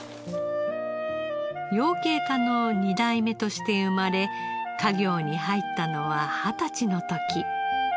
養鶏家の２代目として生まれ家業に入ったのは二十歳の時。